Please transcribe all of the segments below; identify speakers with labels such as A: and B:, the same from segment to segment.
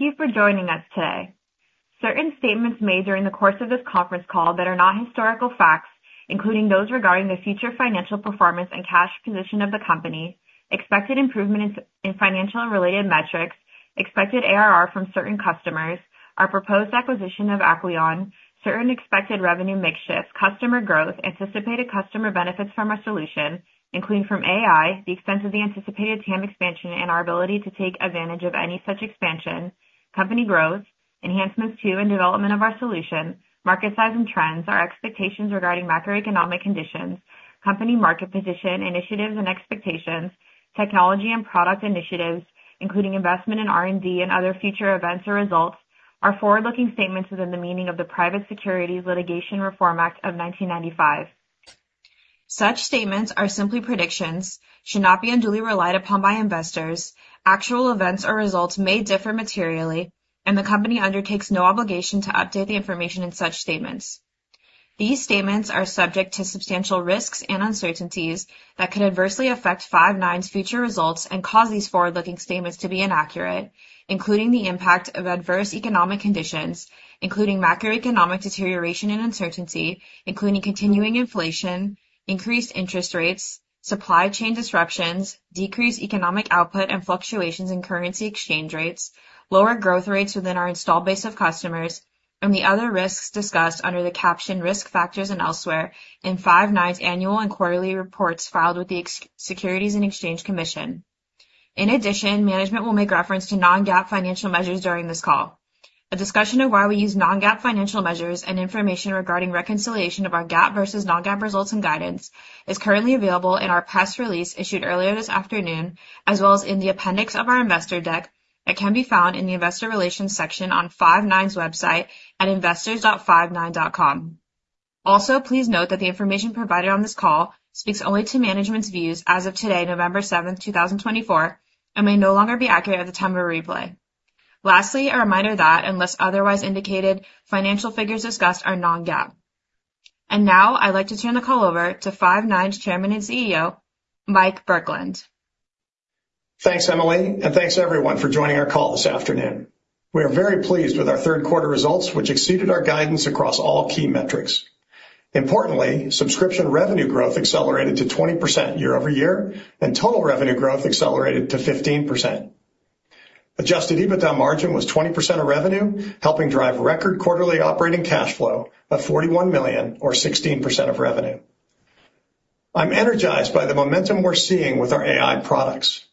A: Thank you for joining us today. Certain statements made during the course of this conference call that are not historical facts, including those regarding the future financial performance and cash position of the company, expected improvement in financial and related metrics, expected ARR from certain customers, our proposed acquisition of Acqueon, certain expected revenue mix shifts, customer growth, anticipated customer benefits from our solution, including from AI, the extent of the anticipated TAM expansion and our ability to take advantage of any such expansion, company growth, enhancements to and development of our solution, market size and trends, our expectations regarding macroeconomic conditions, company market position, initiatives and expectations, technology and product initiatives, including investment in R&D and other future events or results, our forward-looking statements within the meaning of the Private Securities Litigation Reform Act of 1995. Such statements are simply predictions, should not be unduly relied upon by investors. Actual events or results may differ materially, and the company undertakes no obligation to update the information in such statements. These statements are subject to substantial risks and uncertainties that could adversely affect Five9's future results and cause these forward-looking statements to be inaccurate, including the impact of adverse economic conditions, including macroeconomic deterioration and uncertainty, including continuing inflation, increased interest rates, supply chain disruptions, decreased economic output and fluctuations in currency exchange rates, lower growth rates within our installed base of customers, and the other risks discussed under the captioned risk factors and elsewhere in Five9's annual and quarterly reports filed with the Securities and Exchange Commission. In addition, management will make reference to non-GAAP financial measures during this call. A discussion of why we use non-GAAP financial measures and information regarding reconciliation of our GAAP versus non-GAAP results and guidance is currently available in our press release issued earlier this afternoon, as well as in the appendix of our investor deck that can be found in the investor relations section on Five9's website at investors.five9.com. Also, please note that the information provided on this call speaks only to management's views as of today, November 7, 2024, and may no longer be accurate at the time of replay. Lastly, a reminder that, unless otherwise indicated, financial figures discussed are non-GAAP. And now, I'd like to turn the call over to Five9's Chairman and CEO, Mike Burkland.
B: Thanks, Emily, and thanks everyone for joining our call this afternoon. We are very pleased with our Q3 results, which exceeded our guidance across all key metrics. Importantly, subscription revenue growth accelerated to 20% year-over-year, and total revenue growth accelerated to 15%. Adjusted EBITDA margin was 20% of revenue, helping drive record quarterly operating cash flow of $41 million, or 16% of revenue. I'm energized by the momentum we're seeing with our AI products.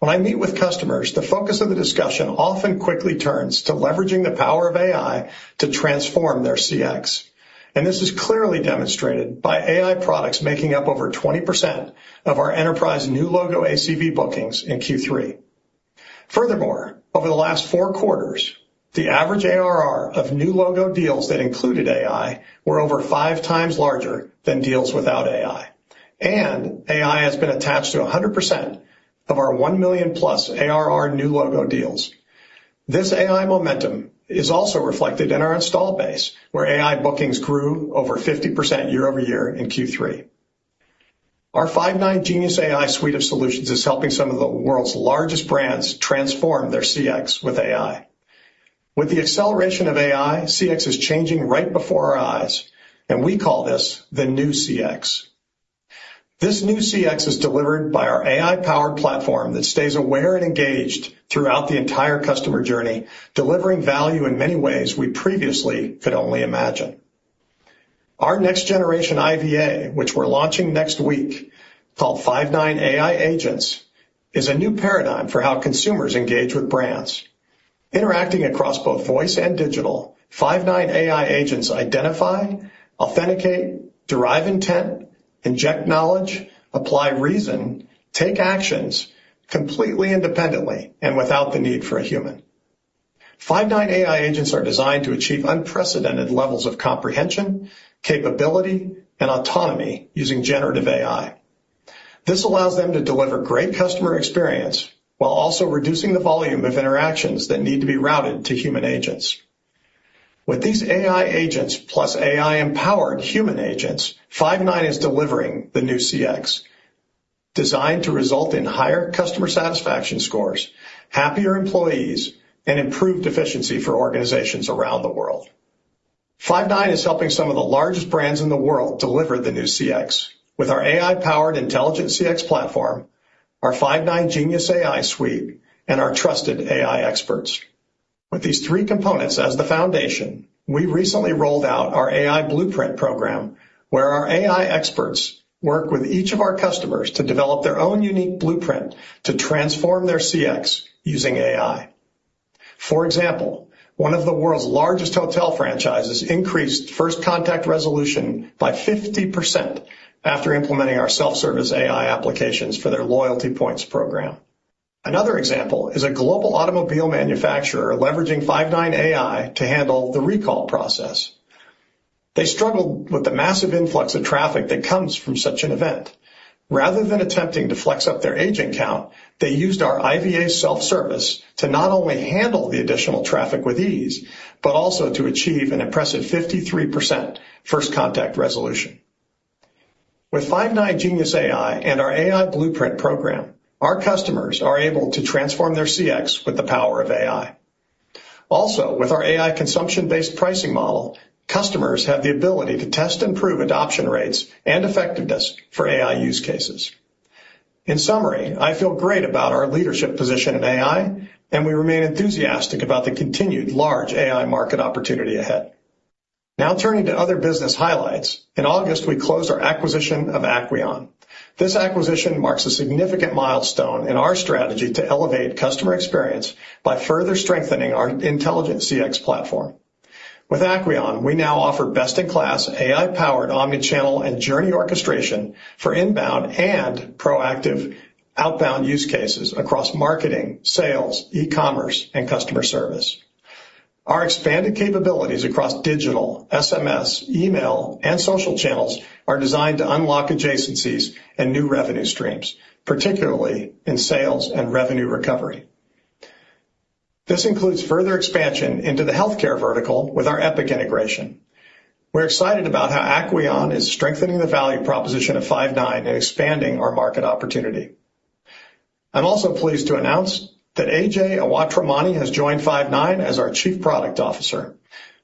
B: When I meet with customers, the focus of the discussion often quickly turns to leveraging the power of AI to transform their CX. And this is clearly demonstrated by AI products making up over 20% of our enterprise new logo ACV bookings in Q3. Furthermore, over the last four quarters, the average ARR of new logo deals that included AI were over five times larger than deals without AI. And AI has been attached to 100% of our 1 million-plus ARR new logo deals. This AI momentum is also reflected in our installed base, where AI bookings grew over 50% year-over-year in Q3. Our Five9 Genius AI suite of solutions is helping some of the world's largest brands transform their CX with AI. With the acceleration of AI, CX is changing right before our eyes, and we call this the new CX. This new CX is delivered by our AI-powered platform that stays aware and engaged throughout the entire customer journey, delivering value in many ways we previously could only imagine. Our next-generation IVA, which we're launching next week, called Five9 AI Agents, is a new paradigm for how consumers engage with brands. Interacting across both voice and digital, Five9 AI Agents identify, authenticate, derive intent, inject knowledge, apply reason, take actions completely independently and without the need for a human. Five9 AI Agents are designed to achieve unprecedented levels of comprehension, capability, and autonomy using generative AI. This allows them to deliver great customer experience while also reducing the volume of interactions that need to be routed to human agents. With these AI Agents plus AI-empowered human agents, Five9 is delivering the new CX, designed to result in higher customer satisfaction scores, happier employees, and improved efficiency for organizations around the world. Five9 is helping some of the largest brands in the world deliver the new CX with our AI-powered intelligent CX platform, our Five9 Genius AI suite, and our trusted AI experts. With these three components as the foundation, we recently rolled out our AI Blueprint program, where our AI experts work with each of our customers to develop their own unique blueprint to transform their CX using AI. For example, one of the world's largest hotel franchises increased first contact resolution by 50% after implementing our self-service AI applications for their loyalty points program. Another example is a global automobile manufacturer leveraging Five9 AI to handle the recall process. They struggled with the massive influx of traffic that comes from such an event. Rather than attempting to flex up their agent count, they used our IVA self-service to not only handle the additional traffic with ease, but also to achieve an impressive 53% first contact resolution. With Five9 Genius AI and our AI Blueprint program, our customers are able to transform their CX with the power of AI. Also, with our AI consumption-based pricing model, customers have the ability to test and prove adoption rates and effectiveness for AI use cases. In summary, I feel great about our leadership position in AI, and we remain enthusiastic about the continued large AI market opportunity ahead. Now turning to other business highlights, in August, we closed our acquisition of Acqueon. This acquisition marks a significant milestone in our strategy to elevate customer experience by further strengthening our intelligent CX platform. With Acqueon, we now offer best-in-class AI-powered omnichannel and journey orchestration for inbound and proactive outbound use cases across marketing, sales, e-commerce, and customer service. Our expanded capabilities across digital, SMS, email, and social channels are designed to unlock adjacencies and new revenue streams, particularly in sales and revenue recovery. This includes further expansion into the healthcare vertical with our Epic integration. We're excited about how Acqueon is strengthening the value proposition of Five9 and expanding our market opportunity. I'm also pleased to announce that Ajay Awatramani has joined Five9 as our Chief Product Officer.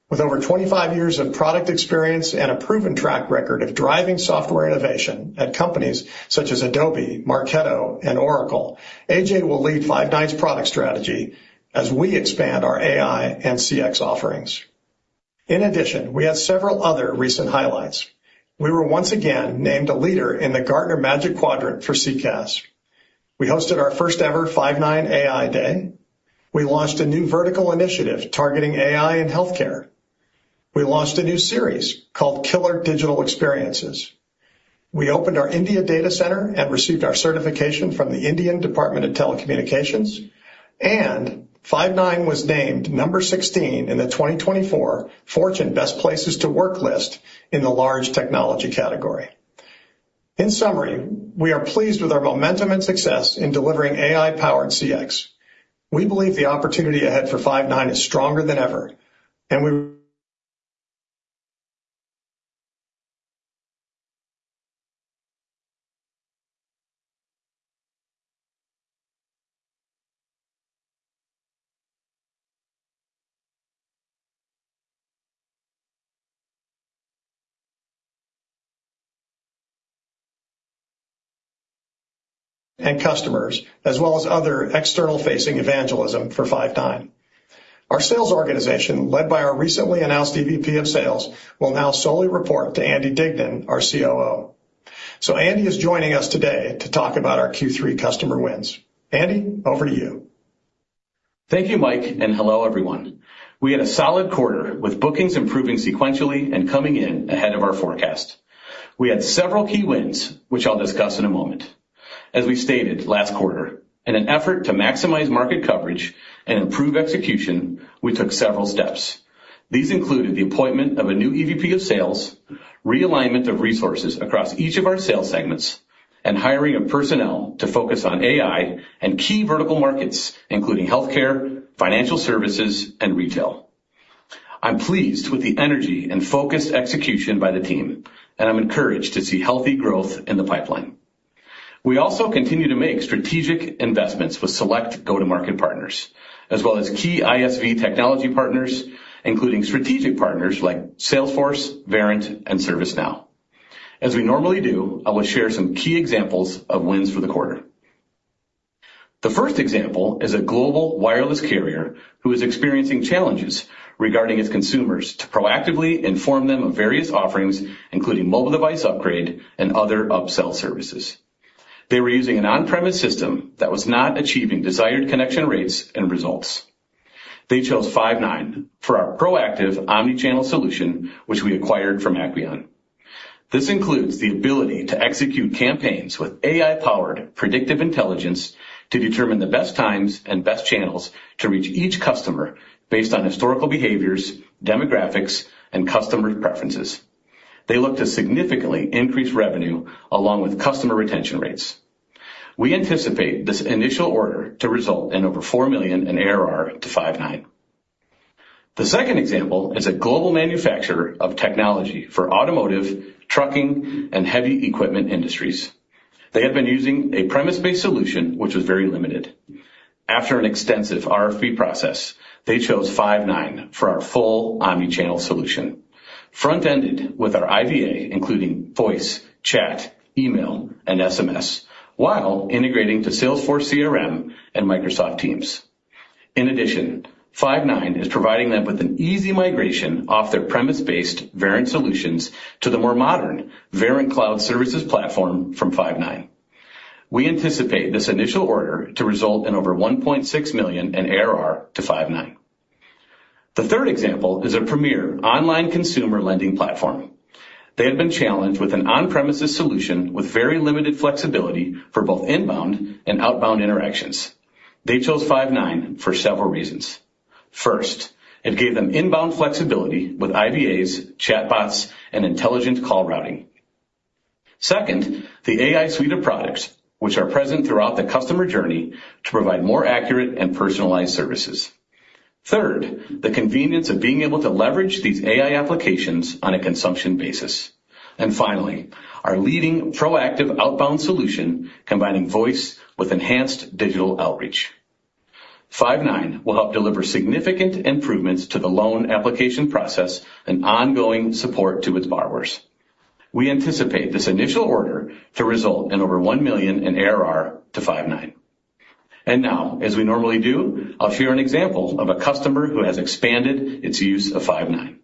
B: With over 25 years of product experience and a proven track record of driving software innovation at companies such as Adobe, Marketo, and Oracle, Ajay will lead Five9's product strategy as we expand our AI and CX offerings. In addition, we had several other recent highlights. We were once again named a Leader in the Gartner Magic Quadrant for CCaaS. We hosted our first-ever Five9 AI Day. We launched a new vertical initiative targeting AI and healthcare. We launched a new series called Killer Digital Experiences. We opened our India data center and received our certification from the Indian Department of Telecommunications. Five9 was named number 16 in the 2024 Fortune Best Places to Work list in the large technology category. In summary, we are pleased with our momentum and success in delivering AI-powered CX. We believe the opportunity ahead for Five9 is stronger than ever. Customers, as well as other external-facing evangelism for Five9. Our sales organization, led by our recently announced VP of Sales, will now solely report to Andy Dignan, our COO. Andy is joining us today to talk about our Q3 customer wins. Andy, over to you.
C: Thank you, Mike, and hello, everyone. We had a solid quarter with bookings improving sequentially and coming in ahead of our forecast. We had several key wins, which I'll discuss in a moment. As we stated last quarter, in an effort to maximize market coverage and improve execution, we took several steps. These included the appointment of a new VP of Sales, realignment of resources across each of our sales segments, and hiring of personnel to focus on AI and key vertical markets, including healthcare, financial services, and retail. I'm pleased with the energy and focused execution by the team, and I'm encouraged to see healthy growth in the pipeline. We also continue to make strategic investments with select go-to-market partners, as well as key ISV technology partners, including strategic partners like Salesforce, Verint, and ServiceNow. As we normally do, I will share some key examples of wins for the quarter. The first example is a global wireless carrier who is experiencing challenges regarding its consumers to proactively inform them of various offerings, including mobile device upgrade and other upsell services. They were using an on-premise system that was not achieving desired connection rates and results. They chose Five9 for our proactive omnichannel solution, which we acquired from Acqueon. This includes the ability to execute campaigns with AI-powered predictive intelligence to determine the best times and best channels to reach each customer based on historical behaviors, demographics, and customer preferences. They look to significantly increase revenue along with customer retention rates. We anticipate this initial order to result in over $4 million in ARR to Five9. The second example is a global manufacturer of technology for automotive, trucking, and heavy equipment industries. They had been using an on-premises solution, which was very limited. After an extensive RFP process, they chose Five9 for our full omnichannel solution, front-ended with our IVA, including voice, chat, email, and SMS, while integrating to Salesforce CRM and Microsoft Teams. In addition, Five9 is providing them with an easy migration off their on-premises Verint solutions to the more modern Verint Cloud Services platform from Five9. We anticipate this initial order to result in over $1.6 million in ARR to Five9. The third example is a premier online consumer lending platform. They had been challenged with an on-premises solution with very limited flexibility for both inbound and outbound interactions. They chose Five9 for several reasons. First, it gave them inbound flexibility with IVAs, chatbots, and intelligent call routing. Second, the AI suite of products, which are present throughout the customer journey to provide more accurate and personalized services. Third, the convenience of being able to leverage these AI applications on a consumption basis, and finally, our leading proactive outbound solution combining voice with enhanced digital outreach. Five9 will help deliver significant improvements to the loan application process and ongoing support to its borrowers. We anticipate this initial order to result in over $1 million in ARR to Five9, and now, as we normally do, I'll share an example of a customer who has expanded its use of Five9.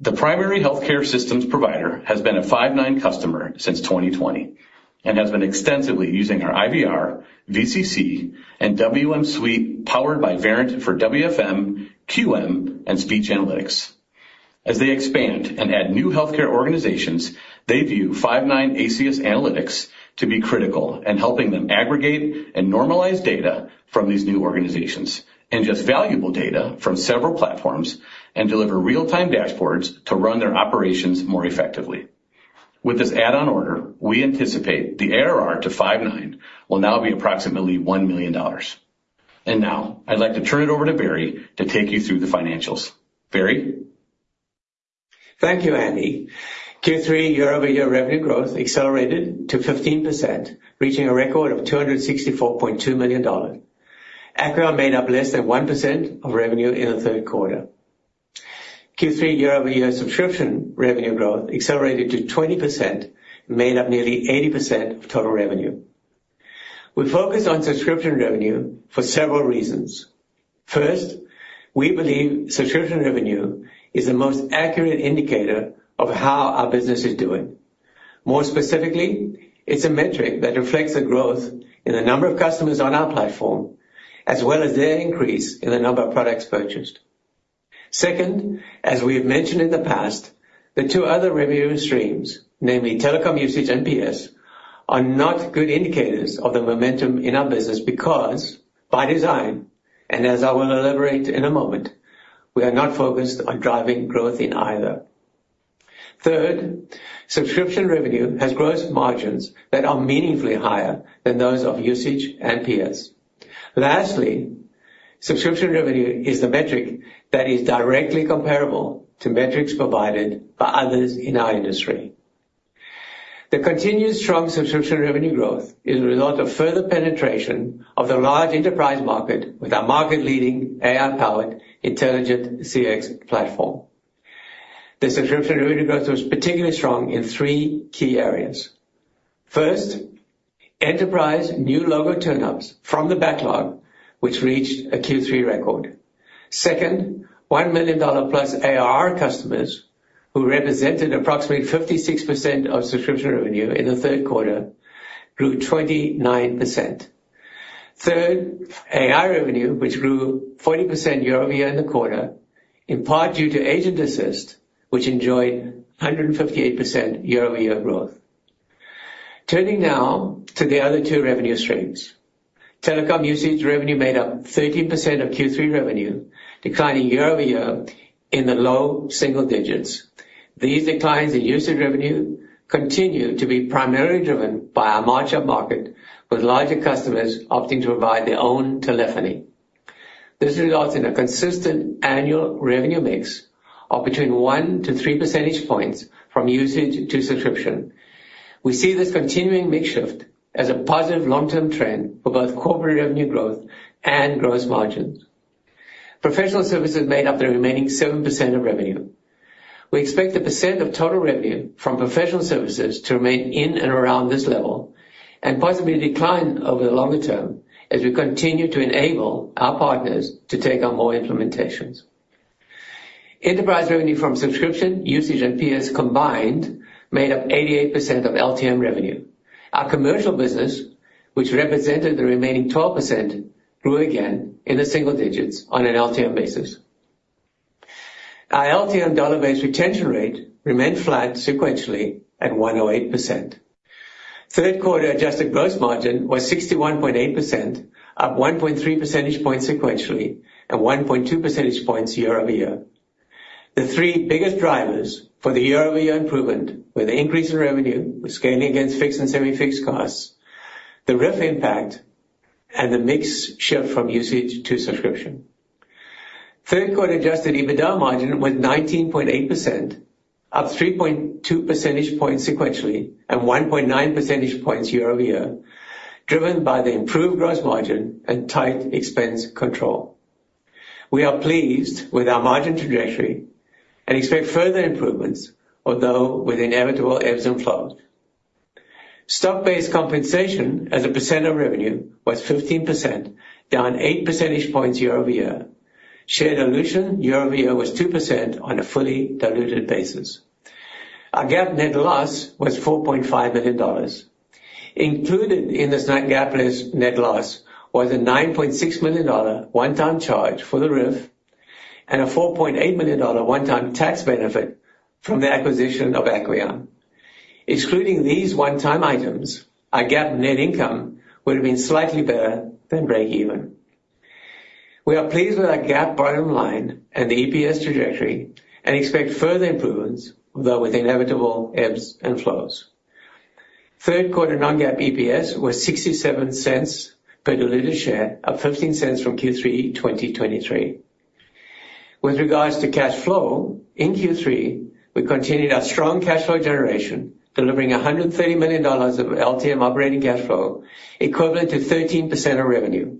C: The primary healthcare systems provider has been a Five9 customer since 2020 and has been extensively using our IVR, VCC, and WEM suite powered by Verint for WFM, QM, and speech analytics. As they expand and add new healthcare organizations, they view Five9's analytics to be critical in helping them aggregate and normalize data from these new organizations and just valuable data from several platforms and deliver real-time dashboards to run their operations more effectively. With this add-on order, we anticipate the ARR to Five9 will now be approximately $1 million. And now, I'd like to turn it over to Barry to take you through the financials. Barry.
D: Thank you, Andy. Q3, year-over-year revenue growth accelerated to 15%, reaching a record of $264.2 million. Acqueon made up less than 1% of revenue in the Q3. Q3, year-over-year subscription revenue growth accelerated to 20%, made up nearly 80% of total revenue. We focus on subscription revenue for several reasons. First, we believe subscription revenue is the most accurate indicator of how our business is doing. More specifically, it's a metric that reflects the growth in the number of customers on our platform, as well as their increase in the number of products purchased. Second, as we have mentioned in the past, the two other revenue streams, namely telecom usage and PS, are not good indicators of the momentum in our business because, by design, and as I will elaborate in a moment, we are not focused on driving growth in either. Third, subscription revenue has gross margins that are meaningfully higher than those of usage and PS. Lastly, subscription revenue is the metric that is directly comparable to metrics provided by others in our industry. The continued strong subscription revenue growth is a result of further penetration of the large enterprise market with our market-leading AI-powered intelligent CX platform. The subscription revenue growth was particularly strong in three key areas. First, enterprise new logo turnups from the backlog, which reached a Q3 record. Second, $1 million plus ARR customers who represented approximately 56% of subscription revenue in the Q3 grew 29%. Third, AI revenue, which grew 40% year-over-year in the quarter, in part due to Agent Assist, which enjoyed 158% year-over-year growth. Turning now to the other two revenue streams. Telecom usage revenue made up 13% of Q3 revenue, declining year-over-year in the low single digits. These declines in usage revenue continue to be primarily driven by our marching upmarket with larger customers opting to provide their own telephony. This results in a consistent annual revenue mix of between one to three percentage points from usage to subscription. We see this continuing mix shift as a positive long-term trend for both corporate revenue growth and gross margins. Professional services made up the remaining 7% of revenue. We expect the percent of total revenue from professional services to remain in and around this level and possibly decline over the longer term as we continue to enable our partners to take on more implementations. Enterprise revenue from subscription, usage, and PS combined made up 88% of LTM revenue. Our commercial business, which represented the remaining 12%, grew again in the single digits on an LTM basis. Our LTM dollar-based retention rate remained flat sequentially at 108%. Q3 adjusted gross margin was 61.8%, up 1.3 percentage points sequentially and 1.2 percentage points year-over-year. The three biggest drivers for the year-over-year improvement were the increase in revenue with scaling against fixed and semi-fixed costs, the RIF impact, and the mix shift from usage to subscription. Q3 adjusted EBITDA margin was 19.8%, up 3.2 percentage points sequentially and 1.9 percentage points year-over-year, driven by the improved gross margin and tight expense control. We are pleased with our margin trajectory and expect further improvements, although with inevitable ebbs and flows. Stock-based compensation as a % of revenue was 15%, down 8 percentage points year-over-year. Share dilution year-over-year was 2% on a fully diluted basis. Our GAAP net loss was $4.5 million. Included in this net GAAP net loss was a $9.6 million one-time charge for the RIF and a $4.8 million one-time tax benefit from the acquisition of Acqueon. Excluding these one-time items, our GAAP net income would have been slightly better than break-even. We are pleased with our GAAP bottom line and the EPS trajectory and expect further improvements, although with inevitable ebbs and flows. Q3 non-GAAP EPS was $0.67 per diluted share, up $0.15 from Q3 2023. With regards to cash flow, in Q3, we continued our strong cash flow generation, delivering $130 million of LTM operating cash flow, equivalent to 13% of revenue.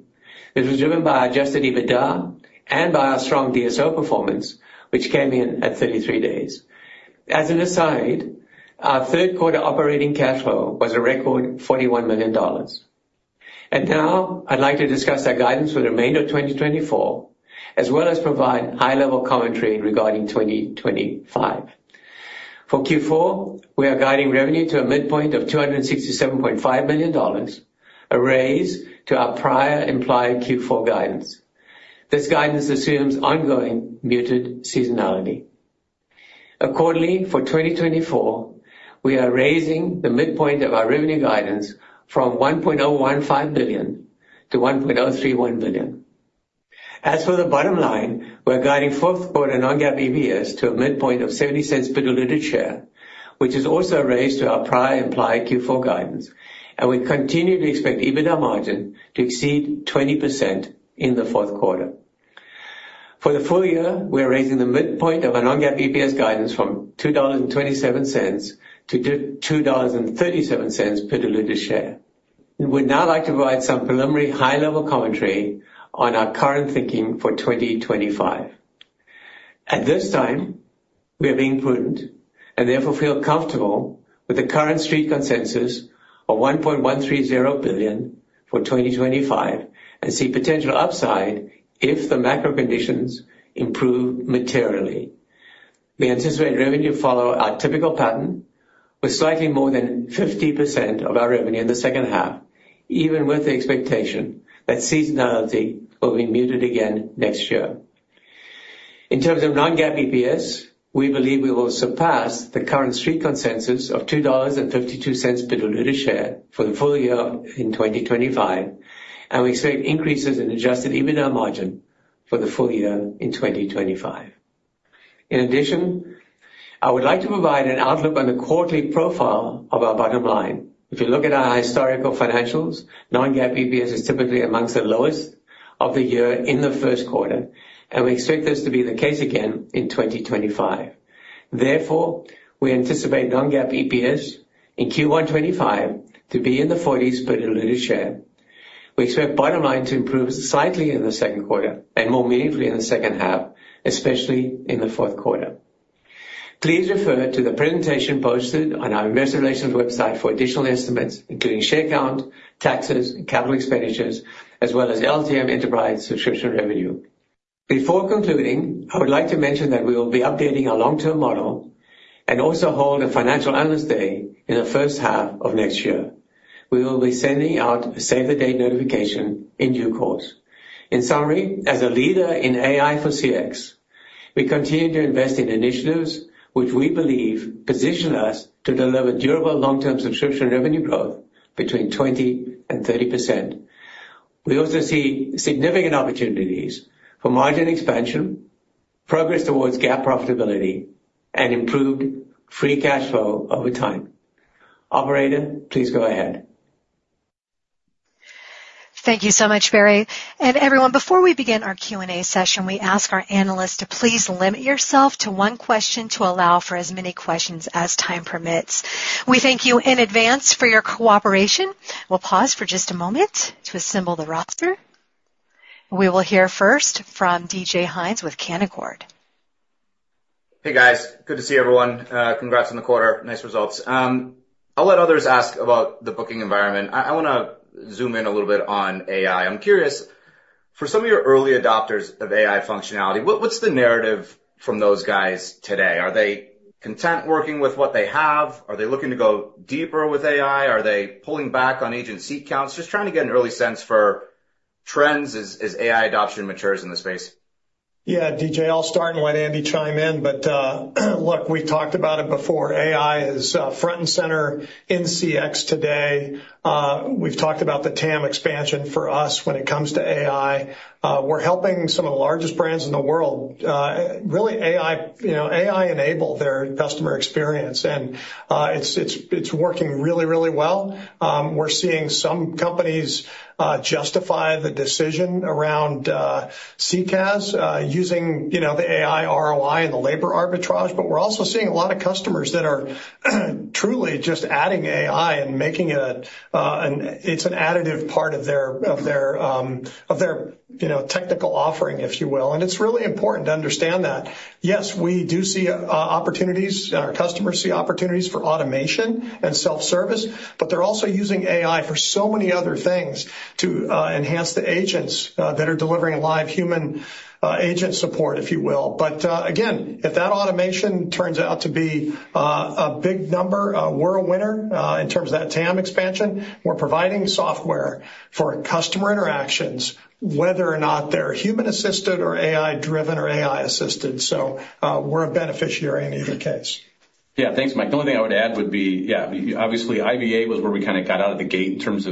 D: This was driven by our adjusted EBITDA and by our strong DSO performance, which came in at 33 days. As an aside, our Q3 operating cash flow was a record $41 million. Now, I'd like to discuss our guidance for the remainder of 2024, as well as provide high-level commentary regarding 2025. For Q4, we are guiding revenue to a midpoint of $267.5 million, a raise to our prior implied Q4 guidance. This guidance assumes ongoing muted seasonality. Accordingly, for 2024, we are raising the midpoint of our revenue guidance from $1.015 billion to $1.031 billion. As for the bottom line, we're guiding Q4 non-GAAP EPS to a midpoint of 70 cents per diluted share, which is also a raise to our prior implied Q4 guidance, and we continue to expect EBITDA margin to exceed 20% in the Q4 For the full year, we're raising the midpoint of our non-GAAP EPS guidance from $2.27 to $2.37 per diluted share. We'd now like to provide some preliminary high-level commentary on our current thinking for 2025. At this time, we are being prudent and therefore feel comfortable with the current Street consensus of $1.130 billion for 2025 and see potential upside if the macro conditions improve materially. We anticipate revenue to follow our typical pattern with slightly more than 50% of our revenue in the second half, even with the expectation that seasonality will be muted again next year. In terms of non-GAAP EPS, we believe we will surpass the current Street consensus of $2.52 per diluted share for the full year in 2025, and we expect increases in adjusted EBITDA margin for the full year in 2025. In addition, I would like to provide an outlook on the quarterly profile of our bottom line. If you look at our historical financials, non-GAAP EPS is typically among the lowest of the year in the Q1, and we expect this to be the case again in 2025. Therefore, we anticipate non-GAAP EPS in Q1 2025 to be in the 40s per diluted share. We expect bottom line to improve slightly in the Q2 and more meaningfully in the second half, especially in the Q4. Please refer to the presentation posted on our Investor Relations website for additional estimates, including share count, taxes, capital expenditures, as well as LTM enterprise subscription revenue. Before concluding, I would like to mention that we will be updating our long-term model and also hold a financial analyst day in the first half of next year. We will be sending out a save-the-date notification in due course. In summary, as a leader in AI for CX, we continue to invest in initiatives which we believe position us to deliver durable long-term subscription revenue growth between 20% and 30%. We also see significant opportunities for margin expansion, progress towards GAAP profitability, and improved free cash flow over time. Operator, please go ahead.
E: Thank you so much, Barry. And everyone, before we begin our Q&A session, we ask our analysts to please limit yourself to one question to allow for as many questions as time permits. We thank you in advance for your cooperation. We'll pause for just a moment to assemble the roster. We will hear first from DJ Hynes with Canaccord.
F: Hey, guys. Good to see everyone. Congrats on the quarter. Nice results. I'll let others ask about the booking environment. I want to zoom in a little bit on AI. I'm curious, for some of your early adopters of AI functionality, what's the narrative from those guys today? Are they content working with what they have? Are they looking to go deeper with AI? Are they pulling back on agent counts? Just trying to get an early sense for trends as AI adoption matures in the space.
B: Yeah, DJ, I'll start and let Andy chime in. But look, we talked about it before. AI is front and center in CX today. We've talked about the TAM expansion for us when it comes to AI. We're helping some of the largest brands in the world really AI-enable their customer experience. And it's working really, really well. We're seeing some companies justify the decision around CCaaS using the AI ROI and the labor arbitrage. But we're also seeing a lot of customers that are truly just adding AI and making it an additive part of their technical offering, if you will. And it's really important to understand that. Yes, we do see opportunities. Our customers see opportunities for automation and self-service, but they're also using AI for so many other things to enhance the agents that are delivering live human agent support, if you will. But again, if that automation turns out to be a big number, we're a winner in terms of that TAM expansion. We're providing software for customer interactions, whether or not they're human-assisted or AI-driven or AI-assisted. So we're a beneficiary in either case.
C: Yeah, thanks, Mike. The only thing I would add would be, yeah, obviously, IVA was where we kind of got out of the gate in terms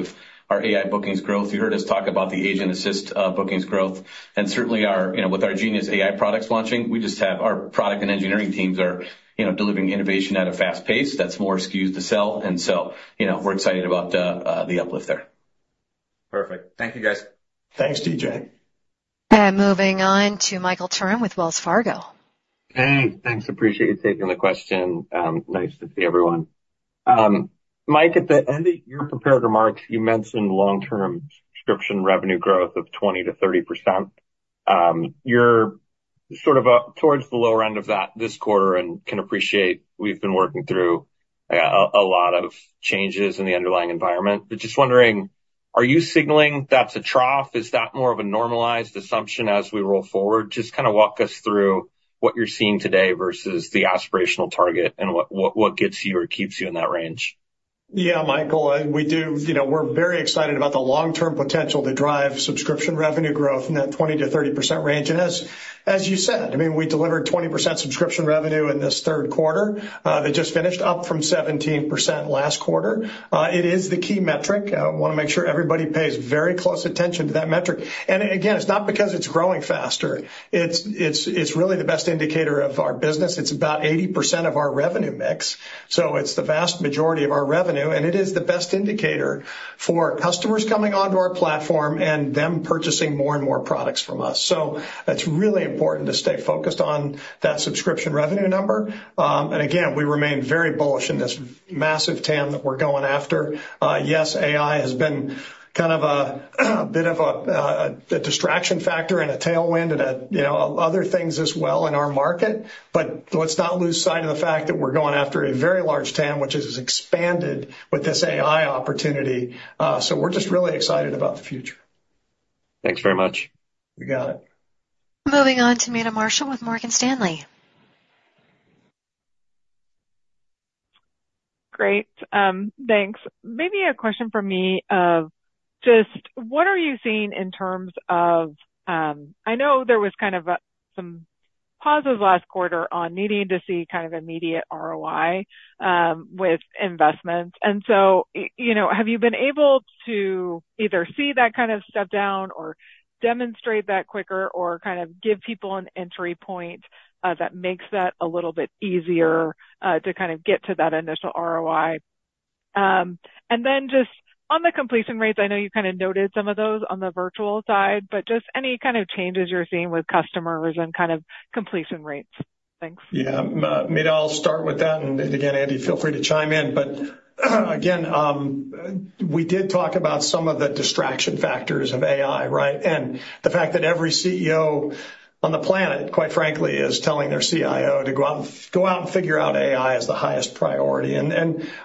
C: of our AI bookings growth. You heard us talk about the agent-assist bookings growth. And certainly, with our genius AI products launching, we just have our product and engineering teams are delivering innovation at a fast pace that's more skewed to sell. And so we're excited about the uplift there.
F: Perfect. Thank you, guys.
B: Thanks, DJ.
E: Moving on to Michael Turrin with Wells Fargo.
G: Hey, thanks. Appreciate you taking the question. Nice to see everyone. Mike, at the end of your prepared remarks, you mentioned long-term subscription revenue growth of 20%-30%. You're sort of towards the lower end of that this quarter and can appreciate we've been working through a lot of changes in the underlying environment. But just wondering, are you signaling that's a trough? Is that more of a normalized assumption as we roll forward? Just kind of walk us through what you're seeing today versus the aspirational target and what gets you or keeps you in that range.
B: Yeah, Michael, we're very excited about the long-term potential to drive subscription revenue growth in that 20%-30% range. And as you said, I mean, we delivered 20% subscription revenue in this Q3 that just finished up from 17% last quarter. It is the key metric. I want to make sure everybody pays very close attention to that metric. And again, it's not because it's growing faster. It's really the best indicator of our business. It's about 80% of our revenue mix. So it's the vast majority of our revenue. And it is the best indicator for customers coming onto our platform and them purchasing more and more products from us. So it's really important to stay focused on that subscription revenue number. And again, we remain very bullish in this massive TAM that we're going after. Yes, AI has been kind of a bit of a distraction factor and a tailwind and other things as well in our market. But let's not lose sight of the fact that we're going after a very large TAM, which has expanded with this AI opportunity. So we're just really excited about the future.
G: Thanks very much.
B: You got it.
E: Moving on to Meta Marshall with Morgan Stanley.
H: Great. Thanks. Maybe a question for Mike of just what are you seeing in terms of I know there was kind of some pauses last quarter on needing to see kind of immediate ROI with investments. And so have you been able to either see that kind of step down or demonstrate that quicker or kind of give people an entry point that makes that a little bit easier to kind of get to that initial ROI? And then just on the completion rates, I know you kind of noted some of those on the virtual side, but just any kind of changes you're seeing with customers and kind of completion rates? Thanks.
B: Yeah, maybe I'll start with that. And again, Andy, feel free to chime in. But again, we did talk about some of the distraction factors of AI, right? And the fact that every CEO on the planet, quite frankly, is telling their CIO to go out and figure out AI as the highest priority. And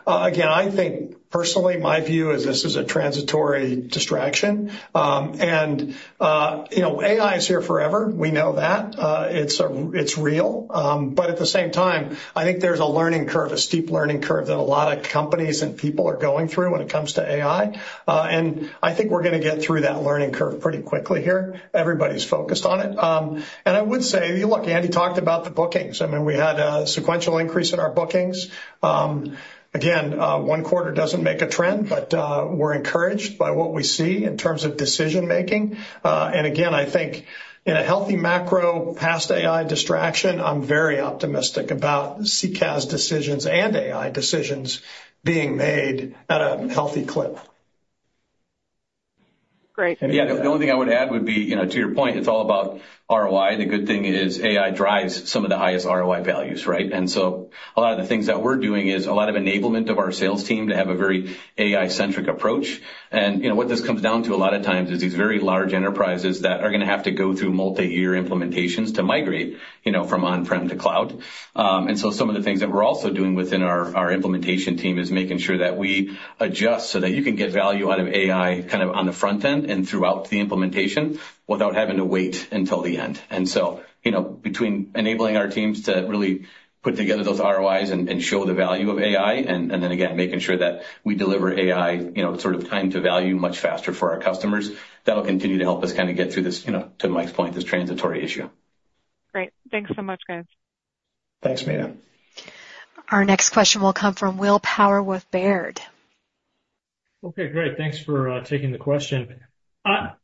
B: again, I think personally, my view is this is a transitory distraction. And AI is here forever. We know that. It's real. But at the same time, I think there's a learning curve, a steep learning curve that a lot of companies and people are going through when it comes to AI. And I think we're going to get through that learning curve pretty quickly here. Everybody's focused on it. And I would say, look, Andy talked about the bookings. I mean, we had a sequential increase in our bookings. Again, one quarter doesn't make a trend, but we're encouraged by what we see in terms of decision-making, and again, I think in a healthy macro, post AI distraction, I'm very optimistic about CCaaS decisions and AI decisions being made at a healthy clip.
H: Great.
C: Yeah, the only thing I would add would be, to your point, it's all about ROI. The good thing is AI drives some of the highest ROI values, right? And so a lot of the things that we're doing is a lot of enablement of our sales team to have a very AI-centric approach. And what this comes down to a lot of times is these very large enterprises that are going to have to go through multi-year implementations to migrate from on-prem to cloud. And so some of the things that we're also doing within our implementation team is making sure that we adjust so that you can get value out of AI kind of on the front end and throughout the implementation without having to wait until the end. And so between enabling our teams to really put together those ROIs and show the value of AI, and then again, making sure that we deliver AI sort of time to value much faster for our customers, that'll continue to help us kind of get through this, to Mike's point, this transitory issue.
H: Great. Thanks so much, guys.
B: Thanks, Meta.
E: Our next question will come from Will Power with Baird.
I: Okay, great. Thanks for taking the question.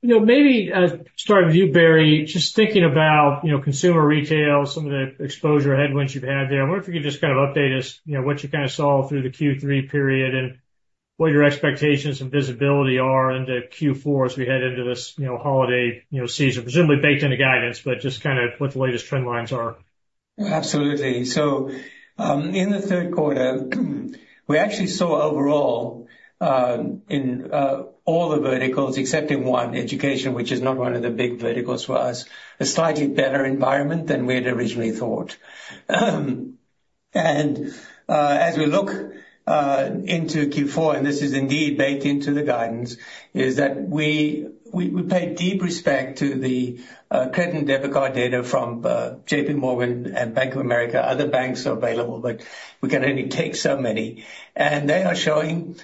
I: Maybe starting with you, Barry, just thinking about consumer retail, some of the exposure headwinds you've had there. I wonder if you could just kind of update us what you kind of saw through the Q3 period and what your expectations and visibility are into Q4 as we head into this holiday season, presumably baked into guidance, but just kind of what the latest trend lines are.
D: Absolutely. So in the Q3, we actually saw overall in all the verticals except in one, education, which is not one of the big verticals for us, a slightly better environment than we had originally thought. And as we look into Q4, and this is indeed baked into the guidance, is that we pay deep respect to the credit and debit card data from JPMorgan and Bank of America, other banks available, but we can only take so many. And they are showing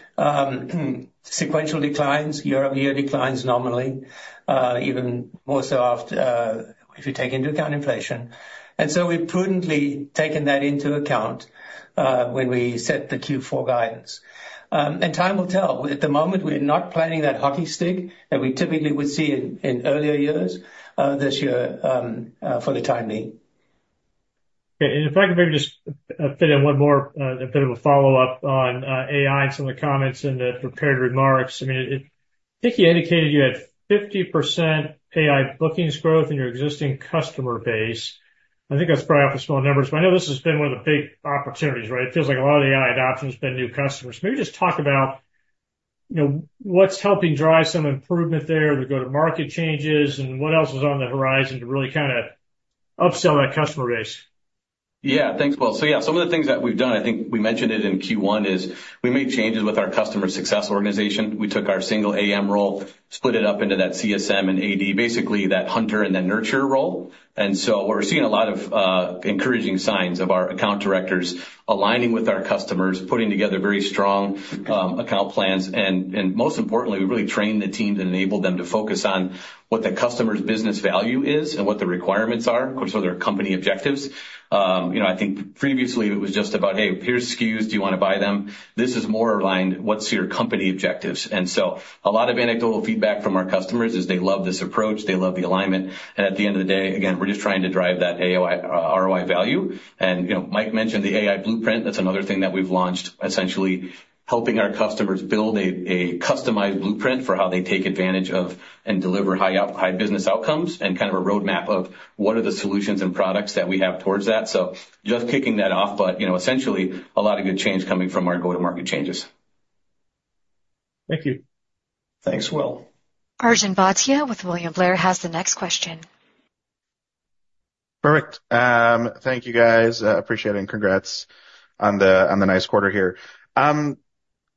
D: sequential declines, year-over-year declines nominally, even more so if you take into account inflation. And so we've prudently taken that into account when we set the Q4 guidance. And time will tell. At the moment, we're not planning that hockey stick that we typically would see in earlier years this year for the time being.
I: Okay. And if I could maybe just fit in one more bit of a follow-up on AI and some of the comments and the prepared remarks. I mean, I think you indicated you had 50% AI bookings growth in your existing customer base. I think that's probably off the small numbers. But I know this has been one of the big opportunities, right? It feels like a lot of AI adoption has been new customers. Can we just talk about what's helping drive some improvement there, the go-to-market changes, and what else is on the horizon to really kind of upsell that customer base?
C: Yeah, thanks, Will. So yeah, some of the things that we've done, I think we mentioned it in Q1, is we made changes with our customer success organization. We took our single AM role, split it up into that CSM and AD, basically that hunter and that nurturer role. And so we're seeing a lot of encouraging signs of our account directors aligning with our customers, putting together very strong account plans. And most importantly, we really trained the teams and enabled them to focus on what the customer's business value is and what the requirements are, which are their company objectives. I think previously it was just about, "Hey, here's SKUs. Do you want to buy them?" This is more aligned, "What's your company objectives?" And so a lot of anecdotal feedback from our customers is they love this approach. They love the alignment. At the end of the day, again, we're just trying to drive that ROI value. Mike mentioned the AI Blueprint. That's another thing that we've launched, essentially helping our customers build a customized blueprint for how they take advantage of and deliver high business outcomes and kind of a roadmap of what are the solutions and products that we have towards that. Just kicking that off, but essentially a lot of good change coming from our go-to-market changes.
I: Thank you.
D: Thanks, Will.
E: Arjun Bhatia with William Blair has the next question.
J: Perfect. Thank you, guys. Appreciate it and congrats on the nice quarter here.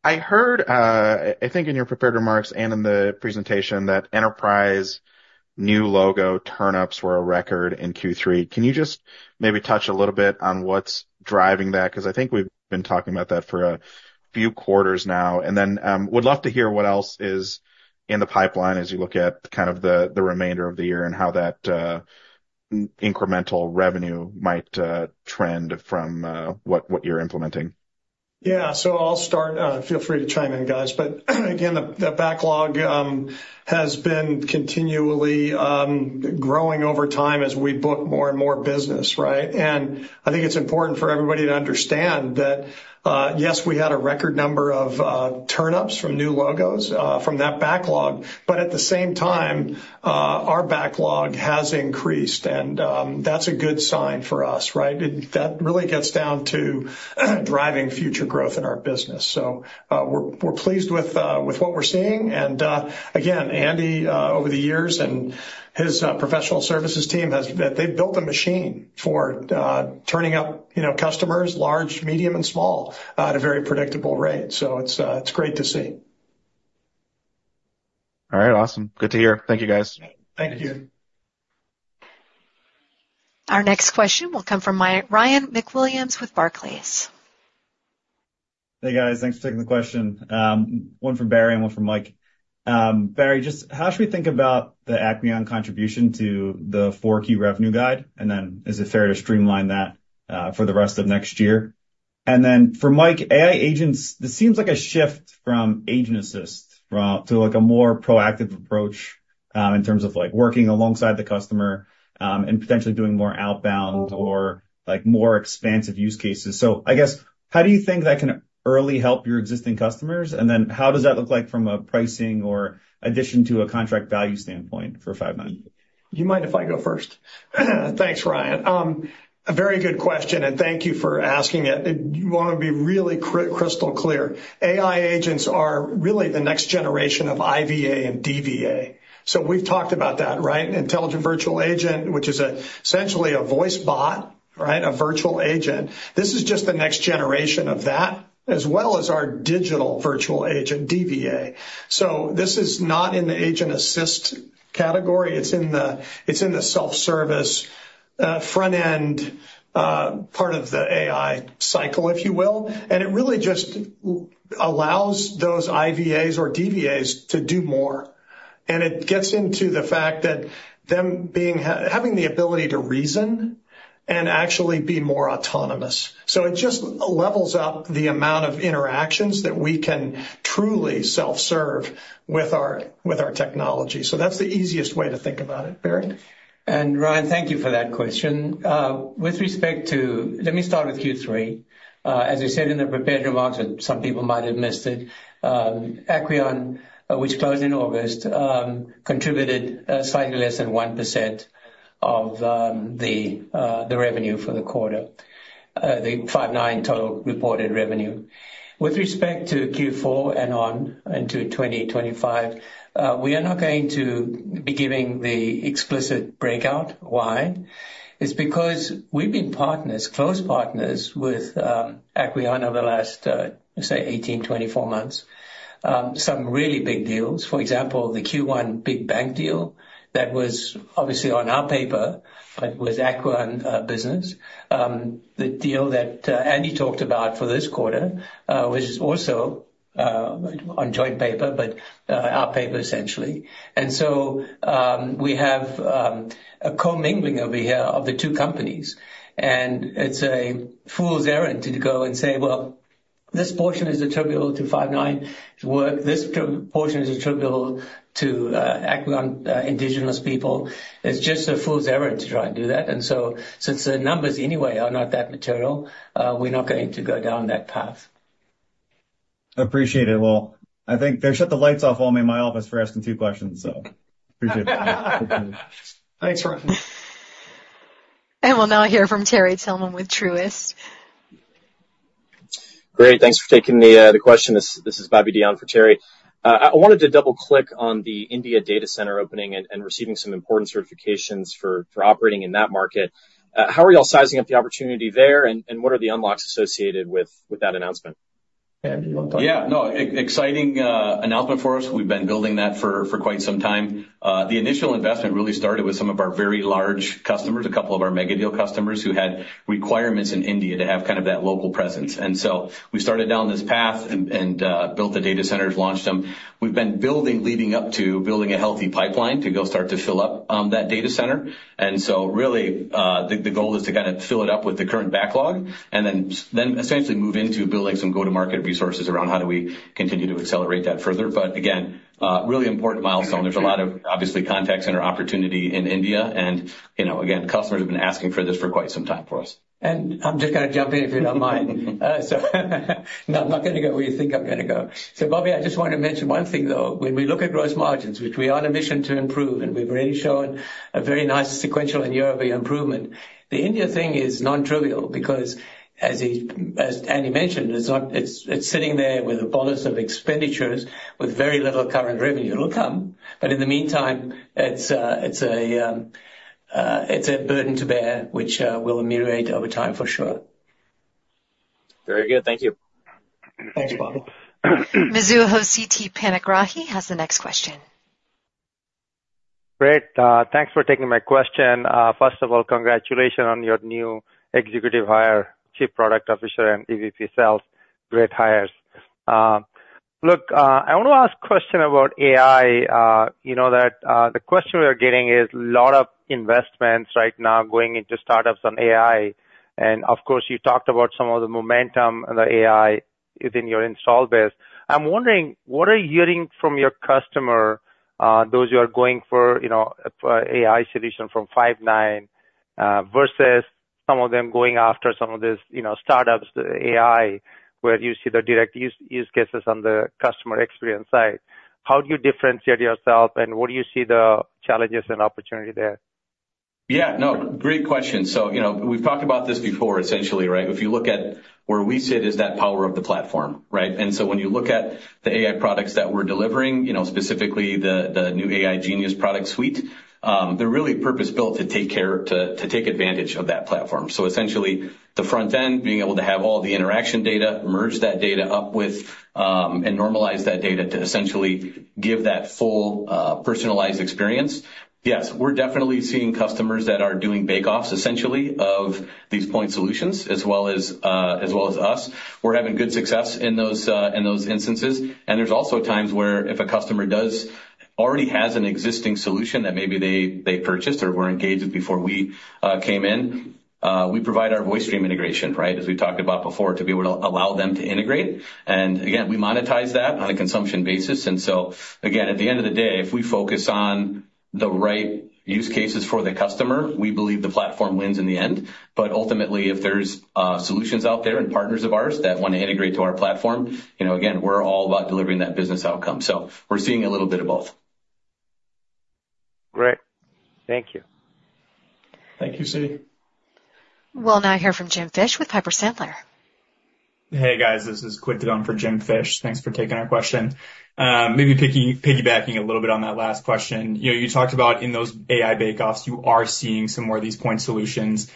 J: I heard, I think in your prepared remarks and in the presentation, that enterprise new logo turnups were a record in Q3. Can you just maybe touch a little bit on what's driving that? Because I think we've been talking about that for a few quarters now, and then would love to hear what else is in the pipeline as you look at kind of the remainder of the year and how that incremental revenue might trend from what you're implementing.
B: Yeah. So I'll start. Feel free to chime in, guys. But again, the backlog has been continually growing over time as we book more and more business, right? And I think it's important for everybody to understand that, yes, we had a record number of turnups from new logos from that backlog. But at the same time, our backlog has increased. And that's a good sign for us, right? That really gets down to driving future growth in our business. So we're pleased with what we're seeing. And again, Andy, over the years and his professional services team, they've built a machine for turning up customers, large, medium, and small at a very predictable rate. So it's great to see.
J: All right. Awesome. Good to hear. Thank you, guys.
B: Thank you.
E: Our next question will come from Ryan McWilliams with Barclays.
K: Hey, guys. Thanks for taking the question. One from Barry and one from Mike. Barry, just how should we think about the Acqueon contribution to the Q4 revenue guide? And then is it fair to sustain that for the rest of next year? And then for Mike, AI agents, this seems like a shift from agent assist to a more proactive approach in terms of working alongside the customer and potentially doing more outbound or more expansive use cases. So I guess, how do you think that can really help your existing customers? And then how does that look like from a pricing or addition to a contract value standpoint for Five9?
B: You mind if I go first? Thanks, Ryan. A very good question. And thank you for asking it. I want to be really crystal clear. AI agents are really the next generation of IVA and DVA. So we've talked about that, right? Intelligent virtual agent, which is essentially a voice bot, right? A virtual agent. This is just the next generation of that, as well as our digital virtual agent, DVA. So this is not in the agent assist category. It's in the self-service front-end part of the AI cycle, if you will. And it really just allows those IVAs or DVAs to do more. And it gets into the fact that them having the ability to reason and actually be more autonomous. So it just levels up the amount of interactions that we can truly self-serve with our technology. So that's the easiest way to think about it, Barry.
D: Ryan, thank you for that question. With respect to, let me start with Q3. As I said in the prepared remarks, some people might have missed it, Acqueon, which closed in August, contributed slightly less than 1% of the revenue for the quarter, the Five9 total reported revenue. With respect to Q4 and on into 2025, we are not going to be giving the explicit breakout why. It's because we've been partners, close partners with Acqueon over the last, say, 18-24 months, some really big deals. For example, the Q1 big bank deal that was obviously on our paper, but was Acqueon business. The deal that Andy talked about for this quarter, which is also on joint paper, but our paper essentially. And so we have a commingling over here of the two companies. It's a fool's errand to go and say, "Well, this portion is attributable to Five9 work. This portion is attributable to Acqueon integration." It's just a fool's errand to try and do that. And so since the numbers anyway are not that material, we're not going to go down that path.
K: Appreciate it, Will. I think they shut the lights off on me in my office for asking two questions, so appreciate it.
B: Thanks, Ryan.
E: We'll now hear from Terry Tillman with Truist.
L: Great. Thanks for taking the question. This is Bobby Dion for Terry. I wanted to double-click on the India data center opening and receiving some important certifications for operating in that market. How are y'all sizing up the opportunity there? And what are the unlocks associated with that announcement?
C: Yeah, no, exciting announcement for us. We've been building that for quite some time. The initial investment really started with some of our very large customers, a couple of our mega deal customers who had requirements in India to have kind of that local presence. And so we started down this path and built the data centers, launched them. We've been building leading up to building a healthy pipeline to go start to fill up that data center. And so really the goal is to kind of fill it up with the current backlog and then essentially move into building some go-to-market resources around how do we continue to accelerate that further. But again, really important milestone. There's a lot of obviously contact center opportunity in India. And again, customers have been asking for this for quite some time for us.
D: And I'm just going to jump in if you don't mind. So I'm not going to go where you think I'm going to go. So Bobby, I just want to mention one thing though. When we look at gross margins, which we are on a mission to improve, and we've already shown a very nice sequential and year-over-year improvement, the India thing is non-trivial because as Andy mentioned, it's sitting there with a bunch of expenditures with very little current revenue. It'll come. But in the meantime, it's a burden to bear, which will ameliorate over time for sure.
L: Very good. Thank you.
B: Thanks, Bobby.
E: Mizuho's Siti Panigrahi has the next question.
M: Great. Thanks for taking my question. First of all, congratulations on your new executive hire, Chief Product Officer and EVP Sales. Great hires. Look, I want to ask a question about AI. You know that the question we are getting is a lot of investments right now going into startups on AI. And of course, you talked about some of the momentum and the AI within your installed base. I'm wondering, what are you hearing from your customers, those who are going for AI solutions from Five9 versus some of them going after some of these startups, the AI, where you see the direct use cases on the customer experience side? How do you differentiate yourself and what do you see the challenges and opportunity there?
C: Yeah, no, great question, so we've talked about this before essentially, right? If you look at where we sit, is that power of the platform, right, and so when you look at the AI products that we're delivering, specifically the new Genius AI product suite, they're really purpose-built to take advantage of that platform, so essentially, the front end, being able to have all the interaction data, merge that data up with and normalize that data to essentially give that full personalized experience. Yes, we're definitely seeing customers that are doing bake-offs essentially of these point solutions as well as us, we're having good success in those instances, and there's also times where if a customer already has an existing solution that maybe they purchased or were engaged before we came in, we provide our VoiceStream integration, right? As we talked about before, to be able to allow them to integrate, and again, we monetize that on a consumption basis, and so again, at the end of the day, if we focus on the right use cases for the customer, we believe the platform wins in the end, but ultimately, if there's solutions out there and partners of ours that want to integrate to our platform, again, we're all about delivering that business outcome, so we're seeing a little bit of both.
M: Great. Thank you.
B: Thank you, Sid.
E: We'll now hear from Jim Fish with Piper Sandler.
N: Hey, guys. This is Quinton Gabrielli for Jim Fish. Thanks for taking our question. Maybe piggybacking a little bit on that last question. You talked about in those AI bake-offs, you are seeing some more of these point solutions.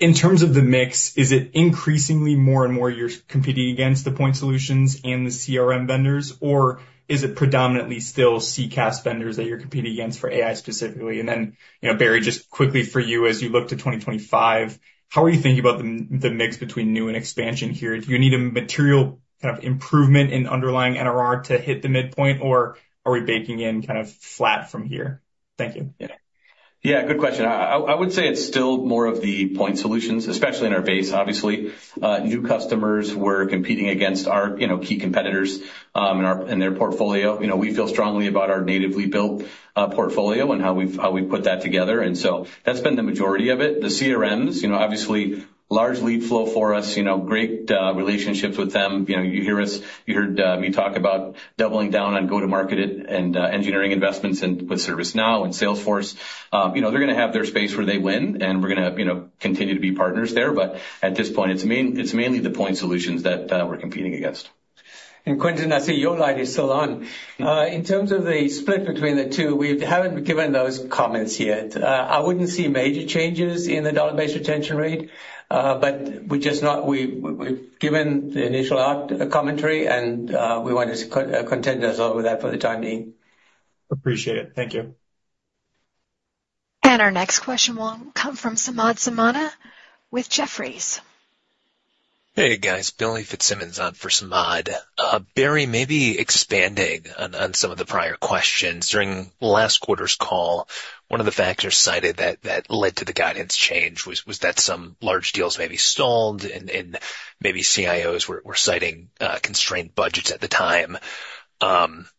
N: In terms of the mix, is it increasingly more and more you're competing against the point solutions and the CRM vendors, or is it predominantly still CCaaS vendors that you're competing against for AI specifically? And then Barry, just quickly for you, as you look to 2025, how are you thinking about the mix between new and expansion here? Do you need a material kind of improvement in underlying NRR to hit the midpoint, or are we baking in kind of flat from here? Thank you.
C: Yeah, good question. I would say it's still more of the point solutions, especially in our base, obviously. New customers were competing against our key competitors in their portfolio. We feel strongly about our natively built portfolio and how we've put that together. And so that's been the majority of it. The CRMs, obviously, large lead flow for us, great relationships with them. You heard me talk about doubling down on go-to-market and engineering investments with ServiceNow and Salesforce. They're going to have their space where they win, and we're going to continue to be partners there. But at this point, it's mainly the point solutions that we're competing against.
D: And Quinton, I see your light is still on. In terms of the split between the two, we haven't given those comments yet. I wouldn't see major changes in the dollar-based retention rate, but we've given the initial commentary, and we want to contend with that for the time being.
N: Appreciate it. Thank you.
E: Our next question will come from Samad Samana with Jefferies.
O: Hey, guys. Billy Fitzsimmons on for Samad. Barry, maybe expanding on some of the prior questions. During last quarter's call, one of the factors cited that led to the guidance change was that some large deals maybe stalled and maybe CIOs were citing constrained budgets at the time.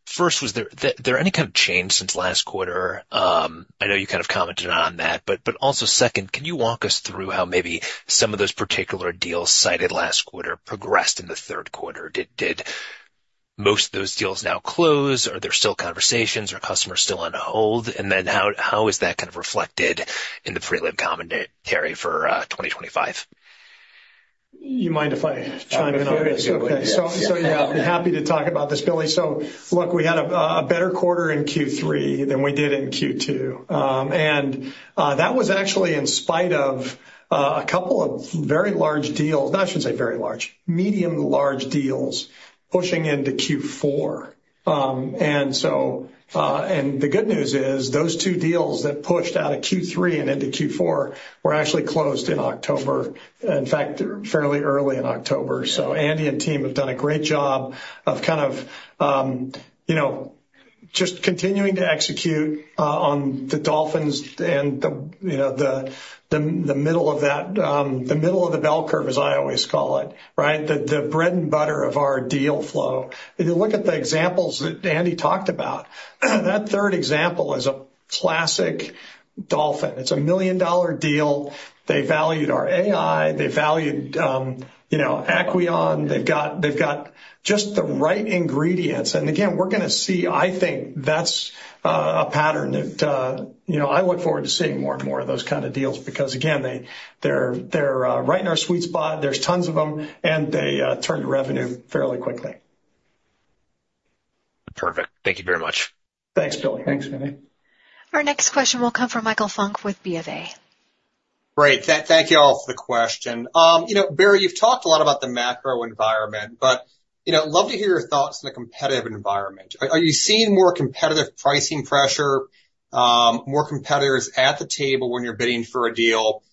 O: First, was there any kind of change since last quarter? I know you kind of commented on that. But also second, can you walk us through how maybe some of those particular deals cited last quarter progressed in the Q3? Did most of those deals now close? Are there still conversations? Are customers still on hold? And then how is that kind of reflected in the prelim commentary for 2025?
B: You mind if I chime in on this?
O: Sure.
B: Okay. So yeah, I'm happy to talk about this, Billy. So look, we had a better quarter in Q3 than we did in Q2. And that was actually in spite of a couple of very large deals, not I shouldn't say very large, medium-large deals pushing into Q4. And the good news is those two deals that pushed out of Q3 and into Q4 were actually closed in October, in fact, fairly early in October. So Andy and team have done a great job of kind of just continuing to execute on the dolphins and the middle of that, the middle of the bell curve, as I always call it, right? The bread and butter of our deal flow. You look at the examples that Andy talked about, that third example is a classic dolphin. It's a $1 million deal. They valued our AI. They valued Acqueon. They've got just the right ingredients. And again, we're going to see, I think that's a pattern that I look forward to seeing more and more of those kinds of deals because, again, they're right in our sweet spot. There's tons of them, and they turned revenue fairly quickly.
O: Terrific. Thank you very much.
B: Thanks, Billy. Thanks.
E: Our next question will come from Michael Funk with BofA.
P: Great. Thank you all for the question. Barry, you've talked a lot about the macro environment, but I'd love to hear your thoughts on the competitive environment. Are you seeing more competitive pricing pressure, more competitors at the table when you're bidding for a deal?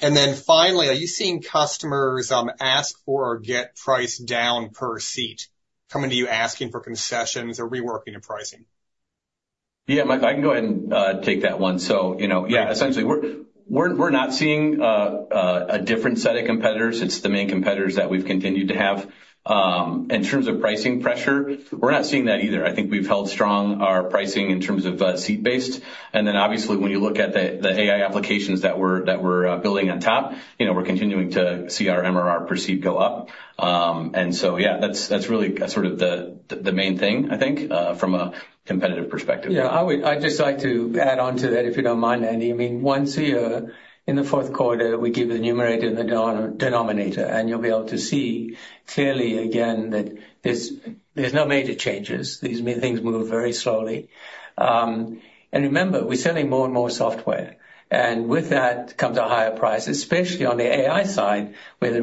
P: And then finally, are you seeing customers ask for or get priced down per seat coming to you asking for concessions or reworking your pricing?
C: Yeah, Michael, I can go ahead and take that one. So yeah, essentially, we're not seeing a different set of competitors. It's the main competitors that we've continued to have. In terms of pricing pressure, we're not seeing that either. I think we've held strong our pricing in terms of seat-based. And then obviously, when you look at the AI applications that we're building on top, we're continuing to see our MRR per seat go up. And so yeah, that's really sort of the main thing, I think, from a competitive perspective.
B: Yeah, I'd just like to add on to that, if you don't mind, Andy. I mean, once in the Q4, we give the numerator and the denominator, and you'll be able to see clearly again that there's no major changes. These things move very slowly. And remember, we're selling more and more software. And with that comes a higher price, especially on the AI side, where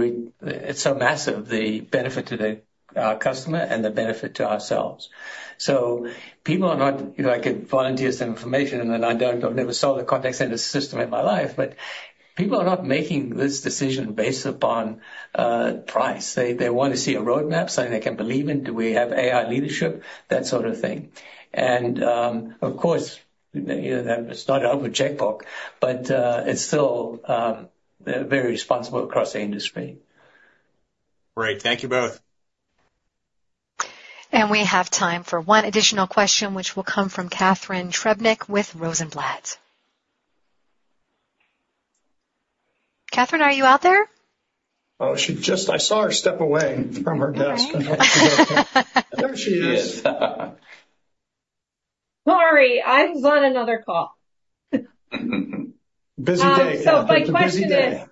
B: it's so massive, the benefit to the customer and the benefit to ourselves. So people are not. I could volunteer some information, and I've never sold a contact center system in my life, but people are not making this decision based upon price. They want to see a roadmap, something they can believe in. Do we have AI leadership? That sort of thing. And of course, it's not an open checkbook, but it's still very responsible across the industry.
P: Great. Thank you both.
E: We have time for one additional question, which will come from Catharine Trebnick with Rosenblatt. Catharine, are you out there?
B: Oh, she just. I saw her step away from her desk. There she is.
Q: Sorry, I was on another call.
B: Busy day.
Q: My question is,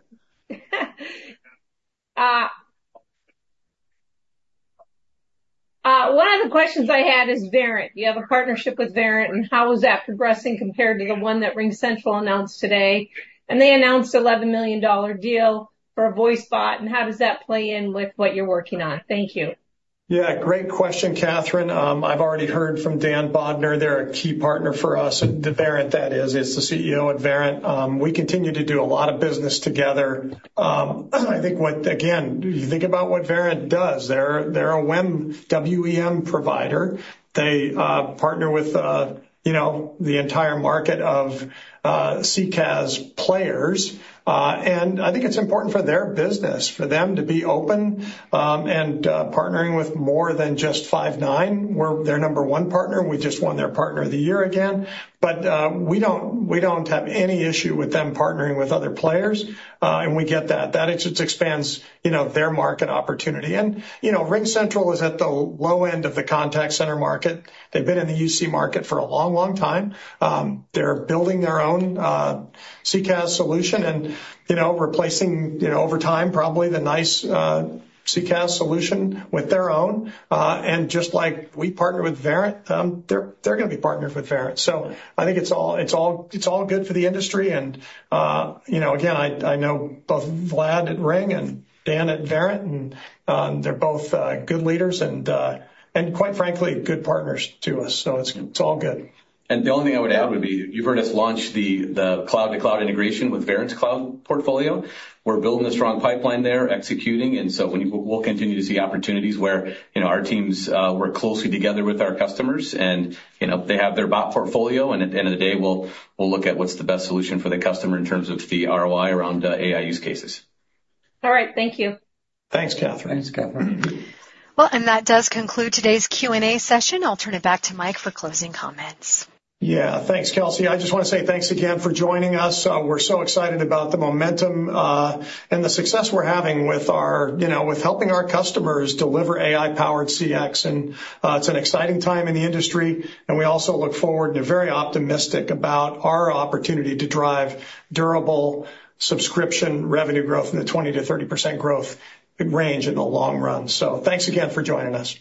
Q: one of the questions I had is Verint. You have a partnership with Verint, and how is that progressing compared to the one that RingCentral announced today? And they announced an $11 million deal for a voice bot, and how does that play in with what you're working on? Thank you.
B: Yeah, great question, Catharine. I've already heard from Dan Bodner. They're a key partner for us. Dan Bodner, that is, is the CEO at Verint. We continue to do a lot of business together. I think, again, you think about what Verint does. They're a WEM provider. They partner with the entire market of CCaaS players. And I think it's important for their business, for them to be open and partnering with more than just Five9. We're their number one partner. We just won their partner of the year again. But we don't have any issue with them partnering with other players. And we get that. That just expands their market opportunity. And RingCentral is at the low end of the contact center market. They've been in the UC market for a long, long time. They're building their own CCaaS solution and replacing over time probably the nice CCaaS solution with their own. And just like we partner with Verint, they're going to be partners with Verint. So I think it's all good for the industry. And again, I know both Vlad at Ring and Dan at Verint, and they're both good leaders and, quite frankly, good partners to us. So it's all good.
C: The only thing I would add would be you've heard us launch the cloud-to-cloud integration with Verint's cloud portfolio. We're building a strong pipeline there, executing. And so we'll continue to see opportunities where our teams work closely together with our customers, and they have their bot portfolio. And at the end of the day, we'll look at what's the best solution for the customer in terms of the ROI around AI use cases.
Q: All right. Thank you.
B: Thanks, Catherine.
C: Thanks, Catherine.
E: That does conclude today's Q&A session. I'll turn it back to Mike for closing comments.
B: Yeah, thanks, Kelsey. I just want to say thanks again for joining us. We're so excited about the momentum and the success we're having with helping our customers deliver AI-powered CX. And it's an exciting time in the industry. And we also look forward and are very optimistic about our opportunity to drive durable subscription revenue growth in the 20%-30% growth range in the long run. So thanks again for joining us.